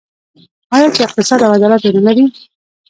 آیا چې اقتصاد او عدالت ونلري؟